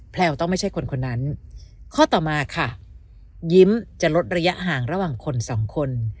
ต้องไม่ใช่คนคนนั้นข้อต่อมาค่ะยิ้มจะลดระยะห่างระหว่างคนสองคน